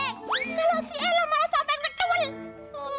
kalau si ella malah sampe ketul